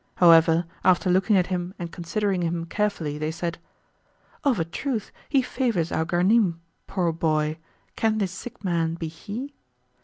However, after looking at him and considering him carefully they said, "Of a truth he favours our Ghanim, poor boy!; can this sick man be he?"